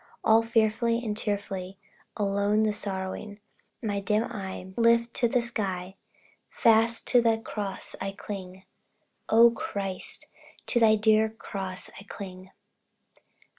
All fearfully, all tearfully, Alone and sorrowing. My dim eye lifted to the sky, Fast to the cross I cling O Christ! To thy dear cross I cling.